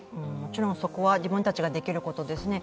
そこは自分たちができることですね